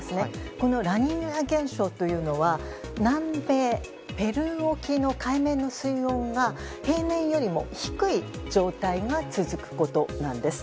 このラニーニャ現象というのは南米ペルー沖の海面の水温が平年よりも低い状態が続くことなんです。